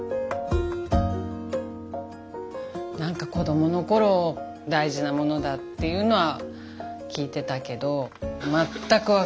子どもの頃大事なものだっていうのは聞いてたけど全く分かりません。